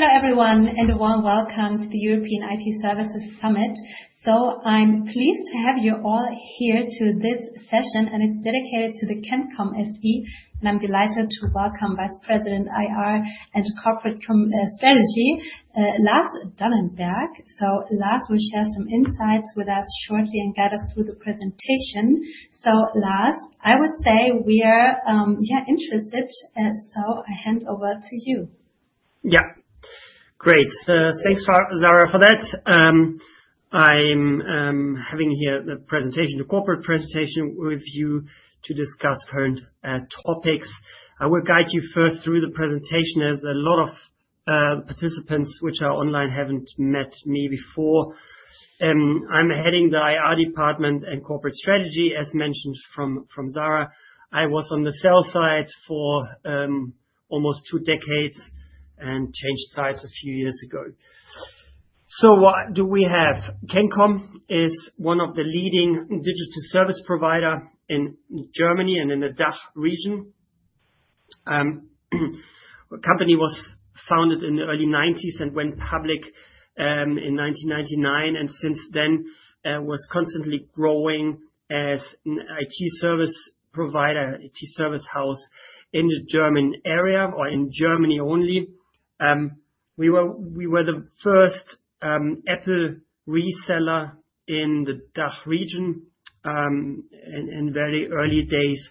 Hello, everyone, and a warm welcome to the European IT Services Summit. So I'm pleased to have you all here to this session, and it's dedicated to the CANCOM SE, and I'm delighted to welcome Vice President, IR, and Corporate Strategy, Lars Dannenberg. So Lars will share some insights with us shortly and guide us through the presentation. So, Lars, I would say we are interested, so I hand over to you. Yeah. Great. Thanks, Sarah, for that. I'm having here the presentation, the corporate presentation with you to discuss current topics. I will guide you first through the presentation, as a lot of participants which are online haven't met me before. I'm heading the IR department and corporate strategy, as mentioned from Sarah. I was on the sales side for almost two decades and changed sides a few years ago. So what do we have? CANCOM is one of the leading digital service provider in Germany and in the DACH region. The company was founded in the early nineties and went public in 1999, and since then was constantly growing as an IT service provider, IT service house in the German area or in Germany only. We were the first Apple reseller in the DACH region in very early days,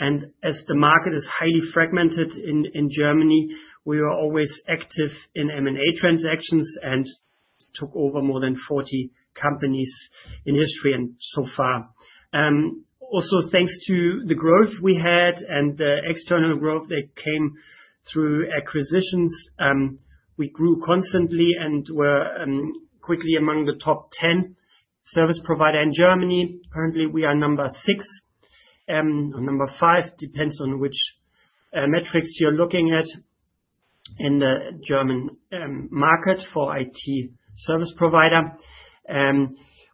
and as the market is highly fragmented in Germany, we were always active in M&A transactions and took over more than 40 companies in history and so far. Also thanks to the growth we had and the external growth that came through acquisitions, we grew constantly and were quickly among the top 10 service provider in Germany. Currently, we are number 6, number 5, depends on which metrics you're looking at in the German market for IT service provider.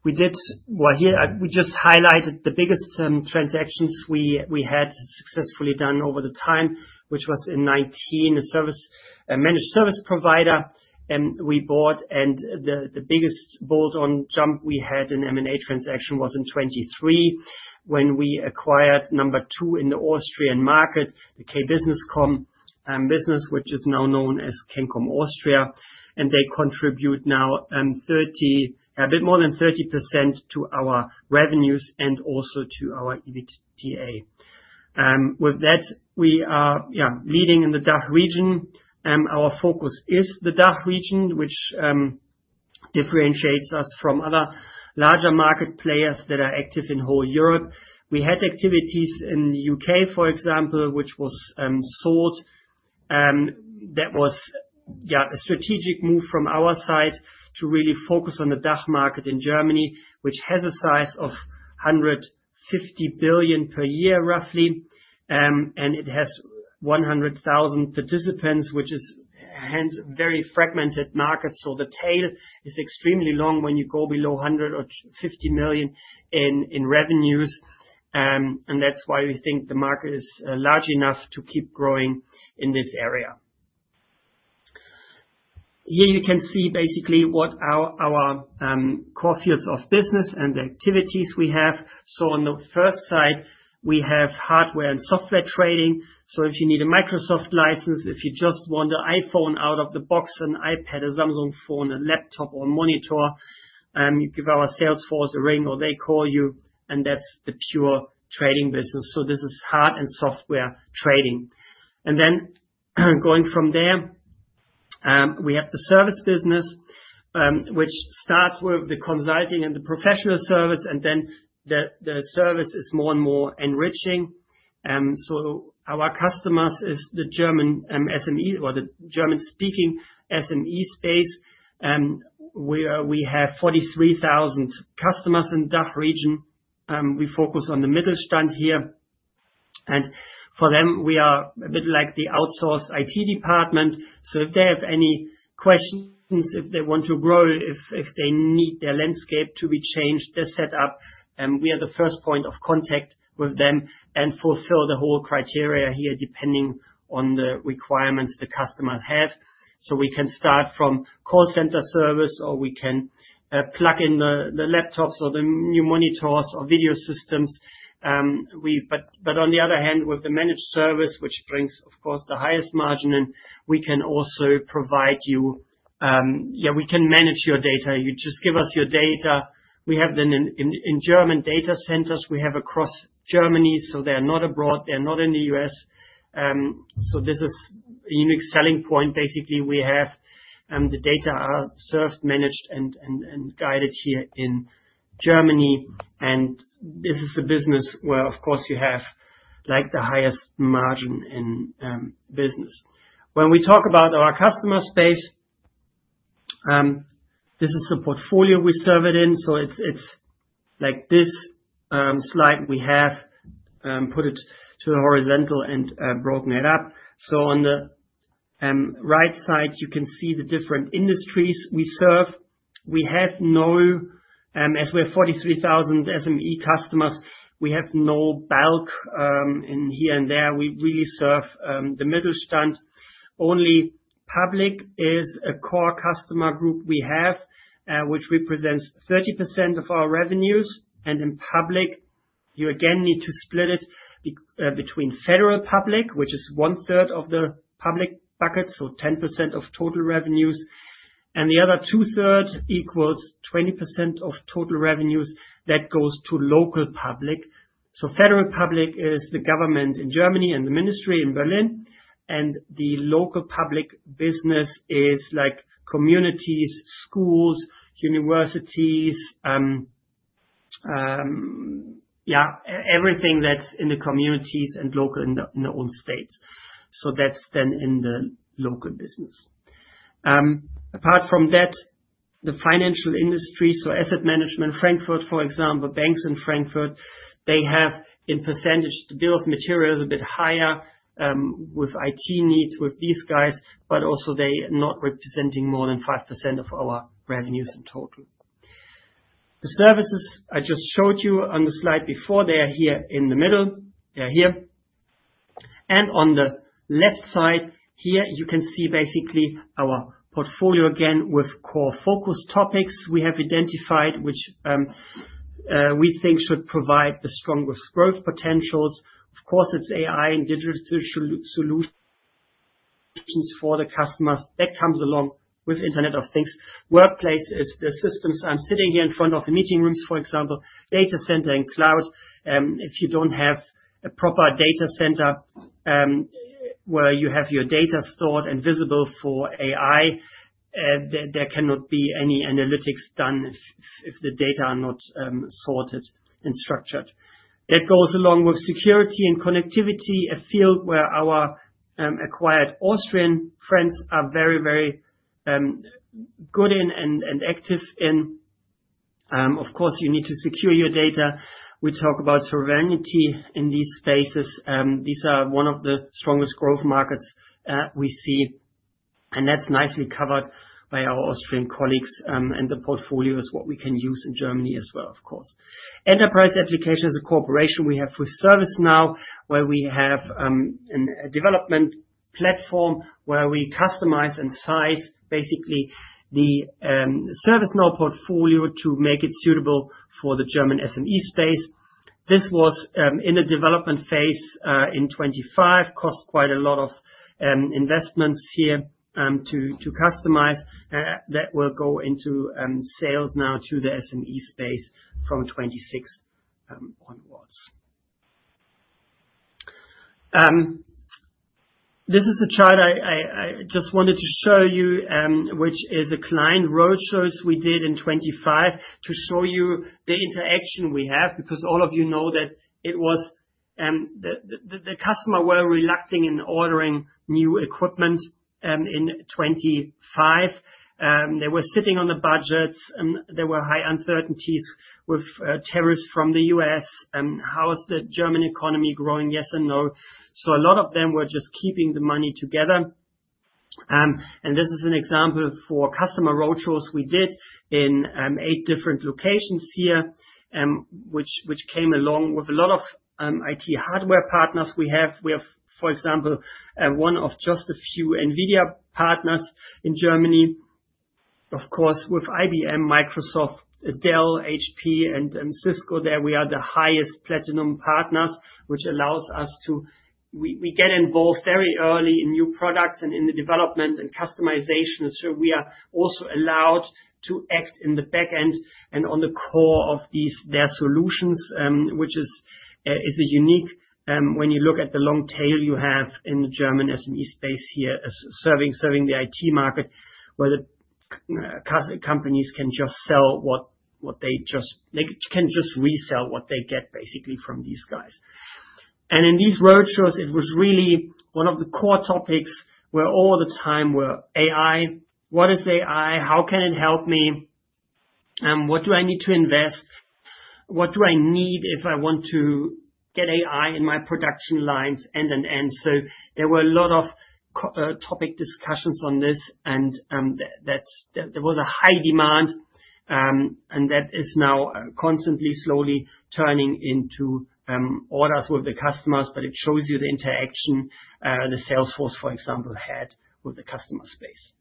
We did... Well, here, we just highlighted the biggest transactions we had successfully done over the time, which was in 2019, a service, a managed service provider we bought, and the biggest bolt-on jump we had in M&A transaction was in 2023, when we acquired number two in the Austrian market, the K-Businesscom business, which is now known as CANCOM Austria, and they contribute now 30, a bit more than 30% to our revenues and also to our EBITDA. With that, we are leading in the DACH region. Our focus is the DACH region, which differentiates us from other larger market players that are active in whole Europe. We had activities in the U.K., for example, which was sold, that was, yeah, a strategic move from our side to really focus on the DACH market in Germany, which has a size of 150 billion per year, roughly, and it has 100,000 participants, which is hence a very fragmented market. So the tail is extremely long when you go below 100 or 50 million in revenues, and that's why we think the market is large enough to keep growing in this area. Here you can see basically what our core fields of business and the activities we have. So on the first side, we have hardware and software trading. So if you need a Microsoft license, if you just want an iPhone out of the box, an iPad, a Samsung phone, a laptop or monitor, you give our sales force a ring or they call you, and that's the pure trading business. So this is hardware and software trading. And then, going from there, we have the service business, which starts with the consulting and the professional service, and then the service is more and more enriching. So our customers is the German SME or the German-speaking SME space, and we have 43,000 customers in DACH region. We focus on the Mittelstand here, and for them, we are a bit like the outsourced IT department. So if they have any questions, if they want to grow, if they need their landscape to be changed, their set up, we are the first point of contact with them and fulfill the whole criteria here, depending on the requirements the customer have. So we can start from call center service, or we can plug in the laptops or the new monitors or video systems. But on the other hand, with the managed service, which brings, of course, the highest margin, and we can also provide you, yeah, we can manage your data. You just give us your data. We have them in German data centers. We have across Germany, so they are not abroad, they are not in the U.S. So this is a unique selling point. Basically, we have the data are served, managed, and guided here in Germany, and this is a business where, of course, you have, like, the highest margin in business. When we talk about our customer space, this is the portfolio we serve it in, so it's like this slide we have put it to the horizontal and broken it up. So on the right side, you can see the different industries we serve. We have no, as we have 43,000 SME customers, we have no bulk in here and there. We really serve the Mittelstand. Only public is a core customer group we have, which represents 30% of our revenues. In public, you again need to split it between federal public, which is one-third of the public bucket, so 10% of total revenues, and the other two-thirds equals 20% of total revenues that goes to local public. Federal public is the government in Germany and the ministry in Berlin, and the local public business is like communities, schools, universities, everything that's in the communities and local in the, in the own states. That's then in the local business. Apart from that, the financial industry, so asset management, Frankfurt, for example, banks in Frankfurt, they have, in percentage, the bill of material is a bit higher, with IT needs with these guys, but also they are not representing more than 5% of our revenues in total. The services I just showed you on the slide before, they are here in the middle. They're here. On the left side here, you can see basically our portfolio again with core focus topics we have identified, which we think should provide the strongest growth potentials. Of course, it's AI and digital solutions for the customers. That comes along with Internet of Things. Workplace is the systems. I'm sitting here in front of meeting rooms, for example, data center and cloud. If you don't have a proper data center, where you have your data stored and visible for AI, there cannot be any analytics done if the data are not sorted and structured. It goes along with security and connectivity, a field where our acquired Austrian friends are very, very good in and active in. Of course, you need to secure your data. We talk about sovereignty in these spaces. These are one of the strongest growth markets we see, and that's nicely covered by our Austrian colleagues, and the portfolio is what we can use in Germany as well, of course. Enterprise applications, a cooperation we have with ServiceNow, where we have a development platform where we customize and size, basically, the ServiceNow portfolio to make it suitable for the German SME space. This was in a development phase in 2025. Cost quite a lot of investments here to customize, that will go into sales now to the SME space from 2026 onwards. This is a chart I just wanted to show you, which is client roadshows we did in 2025, to show you the interaction we have, because all of you know that it was the customer were reluctant in ordering new equipment in 2025. They were sitting on the budgets and there were high uncertainties with tariffs from the U.S., how is the German economy growing? Yes and no. So a lot of them were just keeping the money together. And this is an example for customer roadshows we did in 8 different locations here, which came along with a lot of IT hardware partners we have. We have, for example, one of just a few NVIDIA partners in Germany. Of course, with IBM, Microsoft, Dell, HP and Cisco there, we are the highest platinum partners, which allows us to... We get involved very early in new products and in the development and customization. So we are also allowed to act in the back end and on the core of these, their solutions, which is unique when you look at the long tail you have in the German SME space here, as serving the IT market, where the customer companies can just resell what they get basically from these guys. And in these roadshows, it was really one of the core topics where all the time were AI. What is AI? How can it help me? What do I need to invest? What do I need if I want to get AI in my production lines? End-to-end. So there were a lot of topic discussions on this, and that's there was a high demand, and that is now constantly, slowly turning into orders with the customers. But it shows you the interaction the sales force, for example, had with the customer space.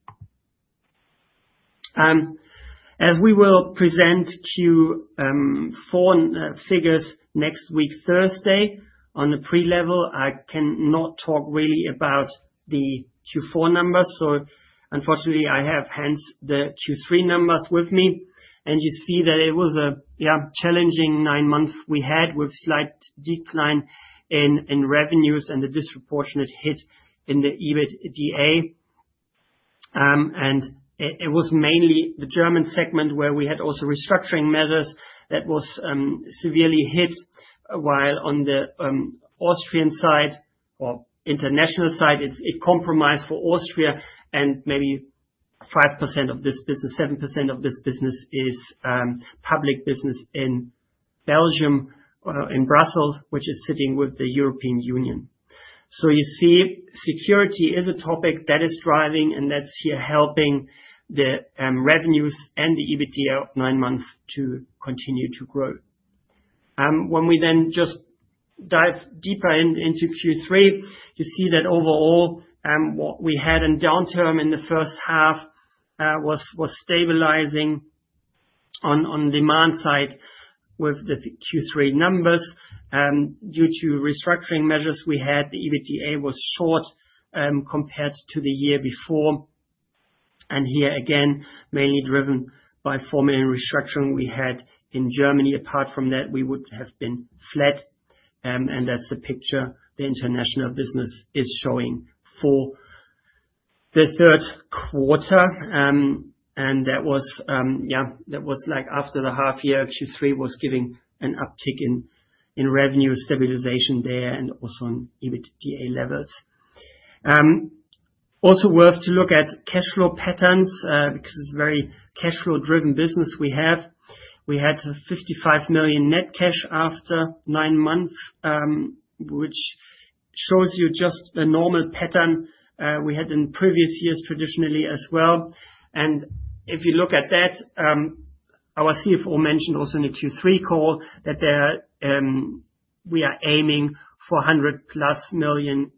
As we will present Q4 figures next week, Thursday, on the pre-level, I cannot talk really about the Q4 numbers, so unfortunately, I have hence the Q3 numbers with me. And you see that it was yeah, challenging nine months we had, with slight decline in revenues and the disproportionate hit in the EBITDA. And it was mainly the German segment, where we had also restructuring measures that was severely hit, while on the Austrian side or international side, it's a compromise for Austria, and maybe 5% of this business, 7% of this business is public business in Belgium, in Brussels, which is sitting with the European Union. So you see, security is a topic that is driving, and that's here helping the revenues and the EBITDA of nine months to continue to grow. When we then just dive deeper into Q3, you see that overall, what we had in downturn in the first half was stabilizing on demand side with the Q3 numbers. Due to restructuring measures we had, the EBITDA was short compared to the year before, and here again, mainly driven by EUR 4 million restructuring we had in Germany. Apart from that, we would have been flat, and that's the picture the international business is showing for the third quarter. And that was like after the half year, Q3 was giving an uptick in revenue stabilization there and also on EBITDA levels. Also worth to look at cash flow patterns, because it's very cash flow driven business we have. We had 55 million net cash after nine months, which shows you just the normal pattern we had in previous years, traditionally as well. If you look at that, our CFO mentioned also in the Q3 call that there, we are aiming for 100+ million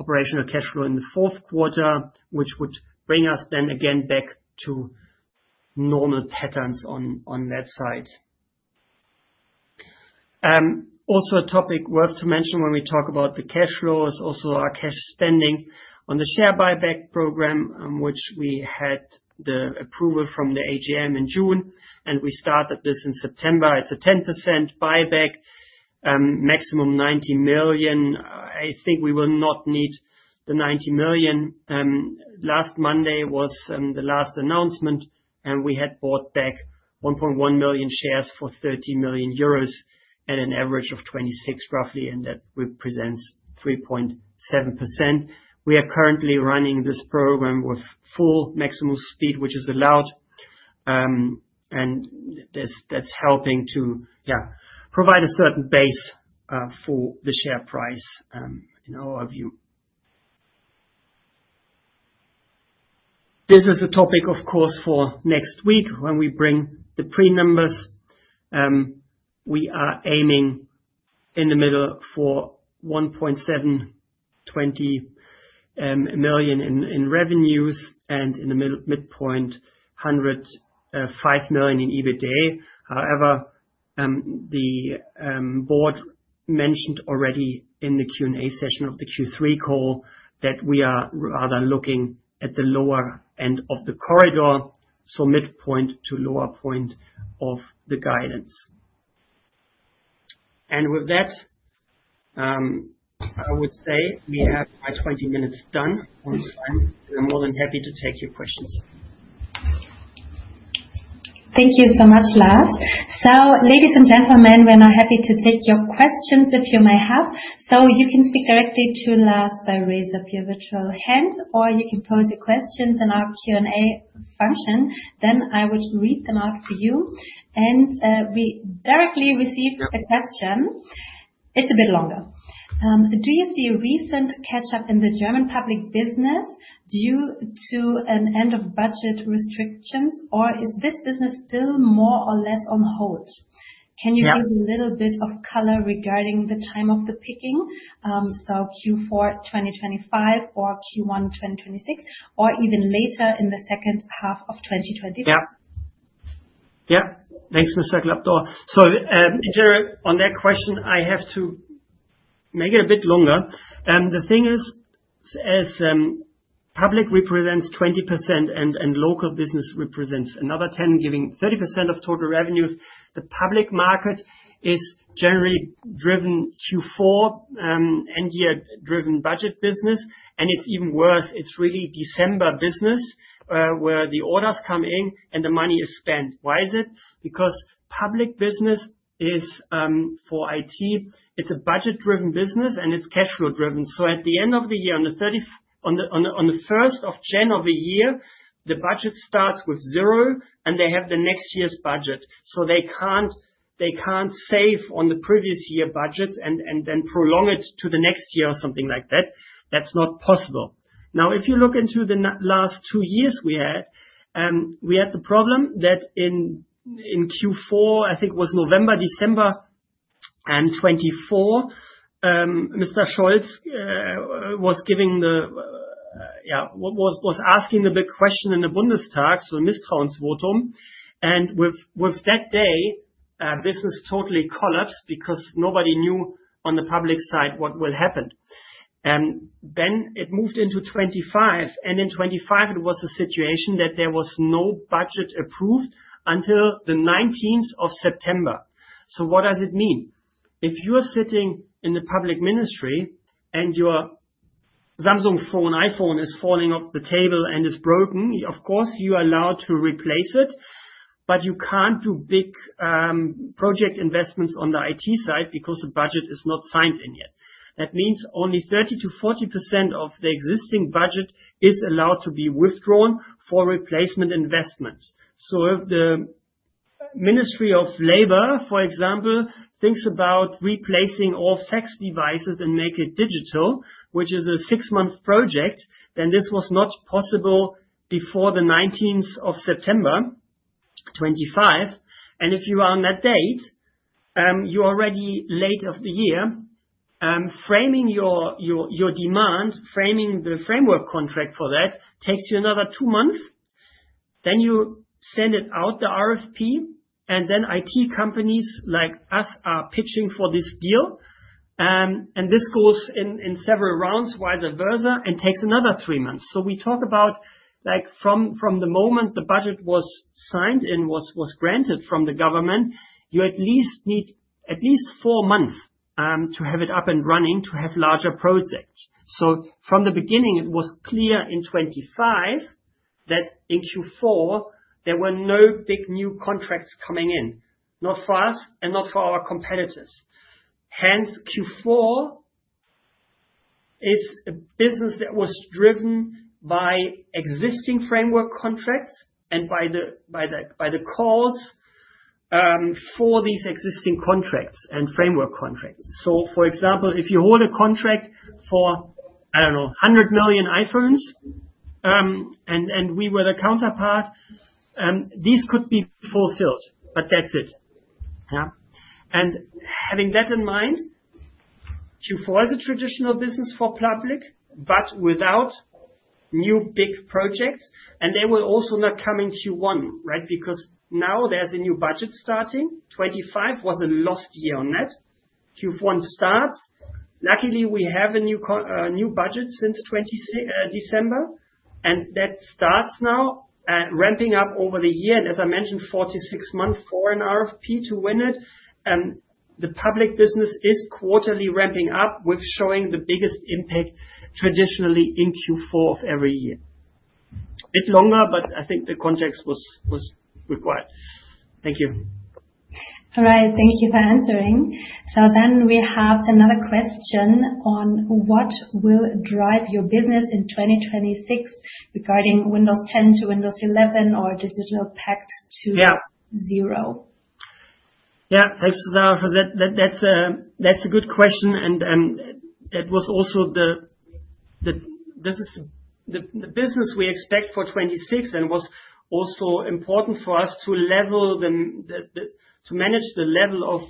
operational cash flow in the fourth quarter, which would bring us then again, back to normal patterns on, on that side. Also a topic worth to mention when we talk about the cash flow, is also our cash spending on the share buyback program, which we had the approval from the AGM in June, and we started this in September. It's a 10% buyback, maximum 90 million. I think we will not need the 90 million. Last Monday was, the last announcement, and we had bought back 1.1 million shares for 30 million euros at an average of 26, roughly, and that represents 3.7%. We are currently running this program with full maximum speed, which is allowed, and that's helping to provide a certain base for the share price in our view. This is a topic, of course, for next week when we bring the pre-numbers. We are aiming in the middle for 172 million in revenues, and in the mid-point, 105 million in EBITDA. However, the board mentioned already in the Q&A session of the Q3 call that we are rather looking at the lower end of the corridor, so midpoint to lower point of the guidance. And with that, I would say we have our 20 minutes done on time. We're more than happy to take your questions. Thank you so much, Lars. So, ladies and gentlemen, we're now happy to take your questions, if you may have. So you can speak directly to Lars by raise of your virtual hand, or you can pose your questions in our Q&A function, then I would read them out for you. And we directly received a question. It's a bit longer. Do you see a recent catch-up in the German public business due to an end of budget restrictions, or is this business still more or less on hold? Yeah. Can you give a little bit of color regarding the time of the picking? Q4 2025 or Q1 2026, or even later in the second half of 2024? Yeah. Yeah. Thanks, Mr. Klapdor. So, on that question, I have to make it a bit longer. The thing is, as public represents 20% and local business represents another 10%, giving 30% of total revenues, the public market is generally driven Q4, and year-driven budget business, and it's even worse. It's really December business, where the orders come in and the money is spent. Why is it? Because public business is, for IT, it's a budget-driven business, and it's cash flow driven. So at the end of the year, on the first of January of the year, the budget starts with zero, and they have the next year's budget. So they can't save on the previous year budget and then prolong it to the next year or something like that. That's not possible. Now, if you look into the last two years, we had, we had the problem that in, in Q4, I think it was November, December and 2024, Mr. Scholz was asking the big question in the Bundestag, so Misstrauensvotum, and with that day, business totally collapsed because nobody knew on the public side what will happen. Then it moved into 2025, and in 2025 it was a situation that there was no budget approved until the nineteenth of September. So what does it mean? If you are sitting in the public ministry and your Samsung phone, iPhone is falling off the table and is broken, of course, you are allowed to replace it, but you can't do big project investments on the IT side because the budget is not signed in yet. That means only 30-40% of the existing budget is allowed to be withdrawn for replacement investments. So if the Ministry of Labor, for example, thinks about replacing all fax devices and make it digital, which is a six-month project, then this was not possible before the 19th of September 2025, and if you are on that date, you're already late of the year. Framing your demand, framing the framework contract for that, takes you another two months. Then you send it out, the RFP, and then IT companies like us are pitching for this deal. And this goes in several rounds by the versa, and takes another three months. So we talk about, like, from the moment the budget was signed and was granted from the government, you at least need at least four months to have it up and running to have larger projects. So from the beginning, it was clear in 2025 that in Q4, there were no big new contracts coming in, not for us and not for our competitors. Hence, Q4 is a business that was driven by existing framework contracts and by the calls for these existing contracts and framework contracts. So, for example, if you hold a contract for, I don't know, 100 million iPhones, and we were the counterpart, these could be fulfilled, but that's it. Yeah. Having that in mind, Q4 is a traditional business for public, but without new big projects, and they will also not come in Q1, right? Because now there's a new budget starting. 2025 was a lost year on that. Q1 starts. Luckily, we have a new budget since December, and that starts now, ramping up over the year. And as I mentioned, 46 months for an RFP to win it. The public business is quarterly ramping up, with showing the biggest impact traditionally in Q4 of every year. A bit longer, but I think the context was required. Thank you. All right. Thank you for answering. We have another question on: What will drive your business in 2026 regarding Windows 10 to Windows 11 or DigitalPakt 2.0? Yeah. Thanks, Sarah, for that. That's a good question, and that was also the business we expect for 2026 and was also important for us to level the, to manage the level of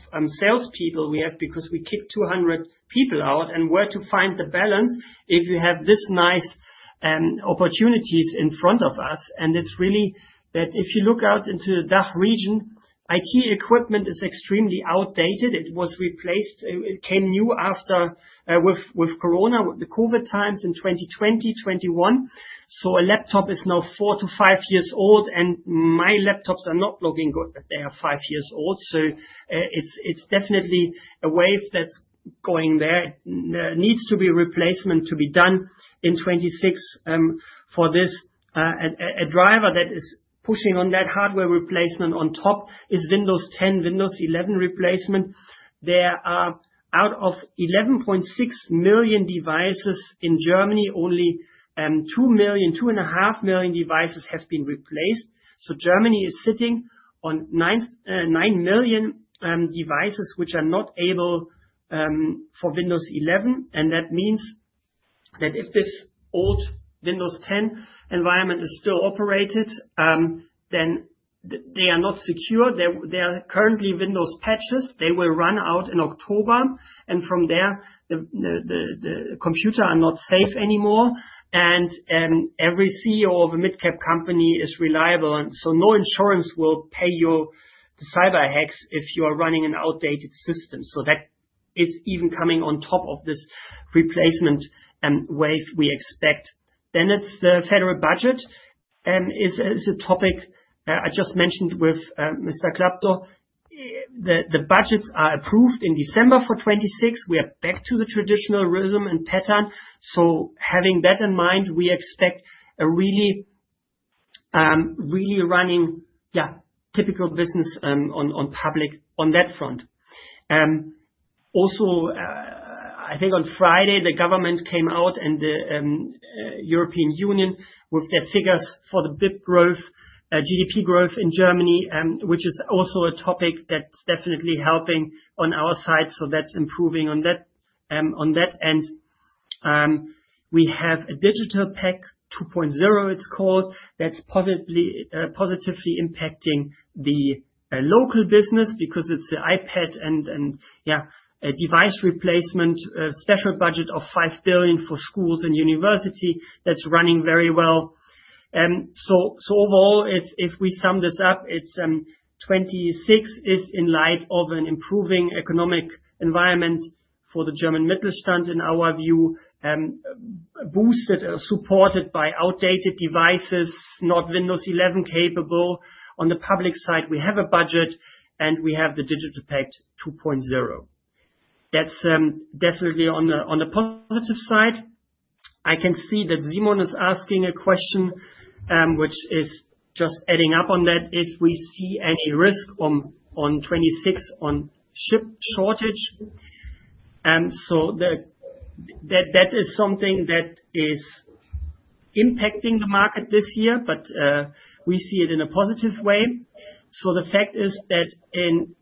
salespeople we have, because we kicked 200 people out. And where to find the balance if you have this nice opportunities in front of us, and it's really that if you look out into the DACH region, IT equipment is extremely outdated. It was replaced. It came new after with Corona, with the COVID times in 2020, 2021. So a laptop is now 4-5 years old, and my laptops are not looking good, but they are 5 years old. So it's definitely a wave that's going there. There needs to be replacement to be done in 2026, for this. A driver that is pushing on that hardware replacement on top is Windows 10, Windows 11 replacement. There are, out of 11.6 million devices in Germany, only, 2 million, 2.5 million devices have been replaced. So Germany is sitting on 9 million devices which are not able for Windows 11, and that means that if this old Windows 10 environment is still operated, then they are not secure. There are currently Windows patches. They will run out in October, and from there, the computers are not safe anymore. And every CEO of a mid-cap company is liable, and so no insurance will pay your cyber hacks if you are running an outdated system. So that is even coming on top of this replacement wave we expect. Then it's the federal budget is a topic I just mentioned with Mr. Klapdor. The budgets are approved in December for 2026. We are back to the traditional rhythm and pattern. So having that in mind, we expect a really really running, yeah, typical business on public on that front. Also, I think on Friday, the government came out and the European Union with their figures for the BIP growth, GDP growth in Germany, which is also a topic that's definitely helping on our side. So that's improving on that. On that end, we have a DigitalPakt 2.0, it's called, that's positively, positively impacting the, local business because it's the iPad and, and yeah, a device replacement, special budget of 5 billion for schools and university. That's running very well. So, overall, if we sum this up, it's, 2026 is in light of an improving economic environment for the German Mittelstand, in our view, boosted or supported by outdated devices, not Windows 11 capable. On the public side, we have a budget, and we have the DigitalPakt 2.0. That's, definitely on the positive side. I can see that Simon is asking a question, which is just adding up on that, if we see any risk on, 2026 on chip shortage. So that is something that is-... impacting the market this year, but we see it in a positive way. So the fact is that in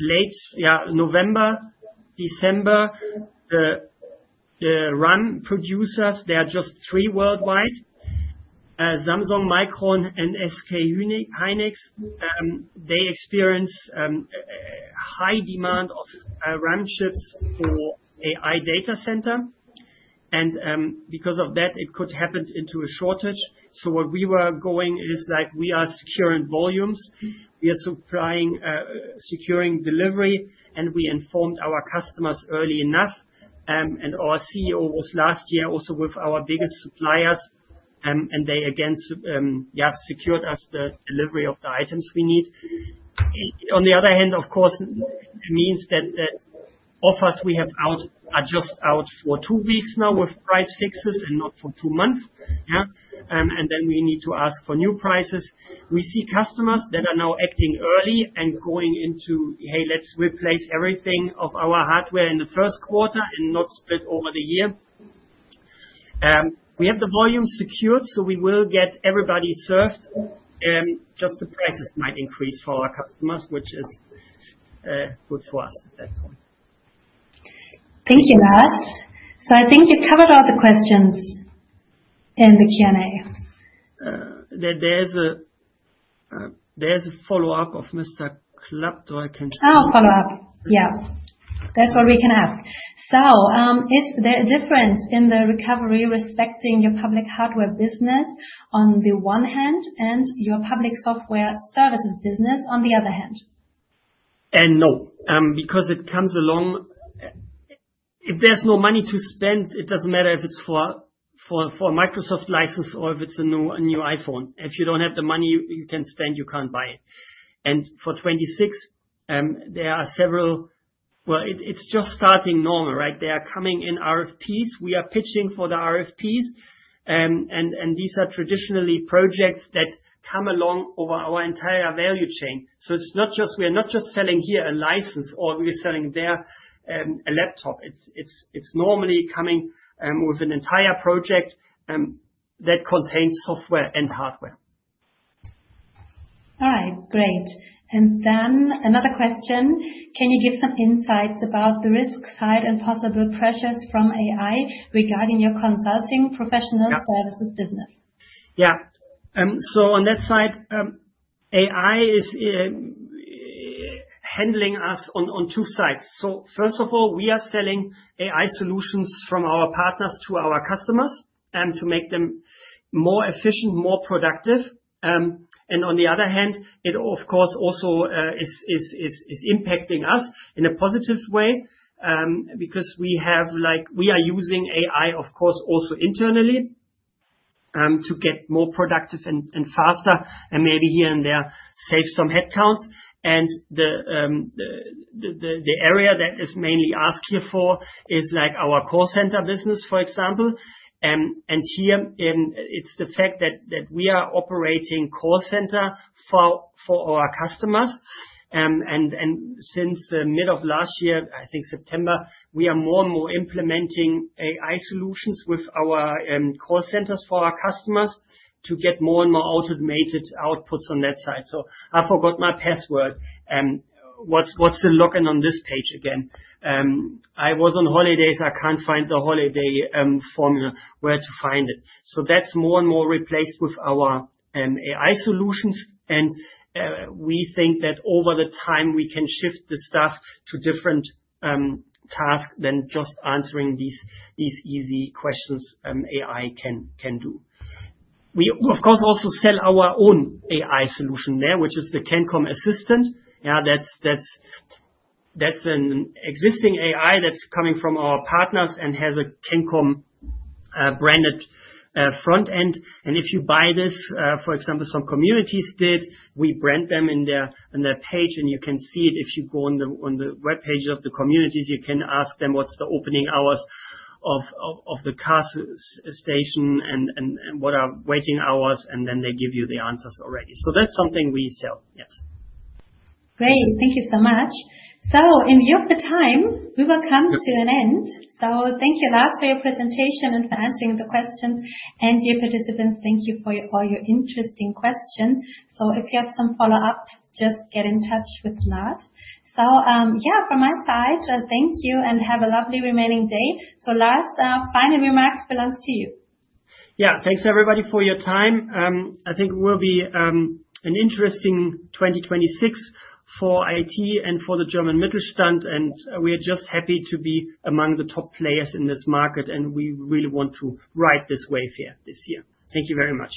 late November, December, the RAM producers, there are just three worldwide, Samsung, Micron, and SK Hynix. They experience a high demand of RAM chips for AI data center, and because of that, it could happen into a shortage. So where we were going is, like, we are securing volumes, we are supplying, securing delivery, and we informed our customers early enough. And our CEO was last year also with our biggest suppliers, and they again secured us the delivery of the items we need. On the other hand, of course, it means that the offers we have out are just out for two weeks now with price fixes and not for two months. And then we need to ask for new prices. We see customers that are now acting early and going into, "Hey, let's replace everything of our hardware in the first quarter and not split over the year." We have the volume secured, so we will get everybody served, just the prices might increase for our customers, which is good for us at that point. Thank you, Lars. So I think you covered all the questions in the Q&A. There is a follow-up of Mr. Klapdor, I can see. Oh, follow-up. Yeah, that's what we can ask. So, is there a difference in the recovery respecting your public hardware business on the one hand, and your public software services business on the other hand? No, because it comes along... If there's no money to spend, it doesn't matter if it's for a Microsoft license or if it's a new iPhone. If you don't have the money you can spend, you can't buy it. And for 2026, there are several... It's just starting normal, right? They are coming in RFPs. We are pitching for the RFPs. And these are traditionally projects that come along over our entire value chain. So it's not just, we are not just selling here a license or we're selling there a laptop. It's normally coming with an entire project that contains software and hardware. All right, great. And then another question: Can you give some insights about the risk side and possible pressures from AI regarding your consulting professional- Yeah. -services business? Yeah. So on that side, AI is handling us on two sides. So first of all, we are selling AI solutions from our partners to our customers, to make them more efficient, more productive. And on the other hand, it of course also is impacting us in a positive way, because we have like, we are using AI, of course, also internally, to get more productive and faster, and maybe here and there, save some headcounts. And the area that is mainly asked here for is, like, our call center business, for example. And here, it's the fact that we are operating call center for our customers. And since the mid of last year, I think September, we are more and more implementing AI solutions with our call centers for our customers to get more and more automated outputs on that side. So I forgot my password, what's the login on this page again? I was on holidays, I can't find the holiday formula, where to find it. So that's more and more replaced with our AI solutions, and we think that over the time, we can shift the staff to different tasks than just answering these easy questions AI can do. We, of course, also sell our own AI solution there, which is the CANCOM Assistant. Yeah, that's an existing AI that's coming from our partners and has a CANCOM branded front end. If you buy this, for example, some communities did, we brand them in their page, and you can see it. If you go on the web page of the communities, you can ask them what's the opening hours of the car station, and what are waiting hours, and then they give you the answers already. That's something we sell. Yes. Great. Thank you so much. So in view of the time, we will come to an end. So thank you, Lars, for your presentation and for answering the questions. And dear participants, thank you for your interesting questions. So if you have some follow-ups, just get in touch with Lars. So, yeah, from my side, thank you and have a lovely remaining day. So, Lars, final remarks belongs to you. Yeah. Thanks, everybody, for your time. I think it will be an interesting 2026 for IT and for the German Mittelstand, and we are just happy to be among the top players in this market, and we really want to ride this wave here this year. Thank you very much.